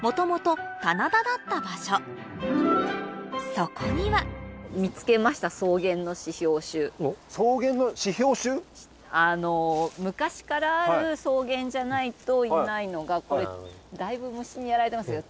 そこには昔からある草原じゃないといないのがだいぶ虫にやられてますけど。